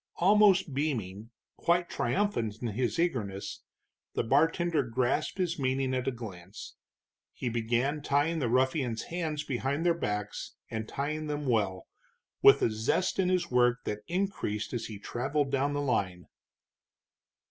Almost beaming, quite triumphant in his eagerness, the bartender grasped his meaning at a glance. He began tying the ruffians' hands behind their backs, and tying them well, with a zest in his work that increased as he traveled down the line.